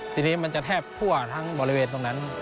ทีนี้มันจะแทบทั่วทั้งบริเวณตรงนั้น